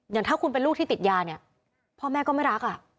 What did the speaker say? อย่างถ้าคุณเป็นลูกที่ติดยาเนี่ยพ่อแม่ก็ไม่รัก